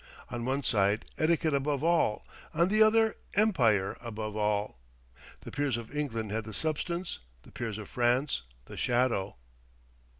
On one side, etiquette above all; on the other, empire above all. The peers of England had the substance, the peers of France the shadow.